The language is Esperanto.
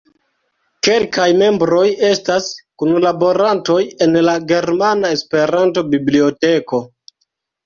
Kelkaj membroj estas kunlaborantoj en la Germana Esperanto-Biblioteko.